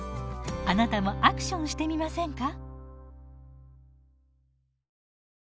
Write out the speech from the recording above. あなたもアクションしてみませんか？